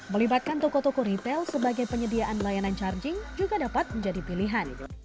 melibatkan toko toko retail sebagai penyediaan layanan charging juga dapat menjadi pilihan